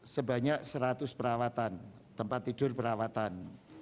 sebanyak seratus perawatan tempat tidur perawatan